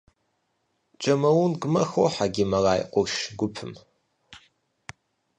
Джомолунгмэ хохьэ Гималай къурш гупым.